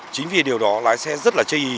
chính vì điều đó lái xe rất là chây ý